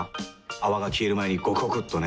泡が消える前にゴクゴクっとね。